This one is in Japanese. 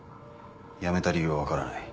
辞めた理由は分からない。